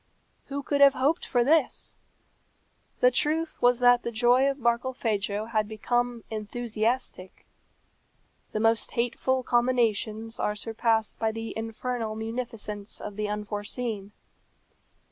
Who could have hoped for this? The truth was that the joy of Barkilphedro had become enthusiastic. The most hateful combinations are surpassed by the infernal munificence of the unforeseen.